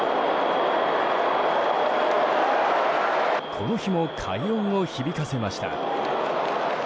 この日も快音を響かせました。